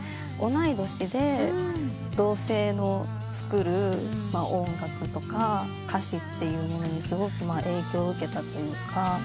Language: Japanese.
同い年で同性の作る音楽とか歌詞っていうものにすごく影響を受けたというか。